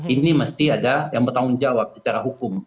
ini mesti ada yang bertanggung jawab secara hukum